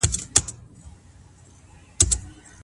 هلک او نجلۍ څنګه د يو بل له عمر څخه خبريږي؟